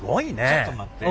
ちょっと待って。